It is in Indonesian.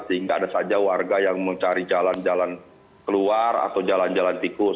sehingga ada saja warga yang mencari jalan jalan keluar atau jalan jalan tikus